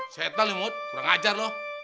setel nih mut kurang ajar loh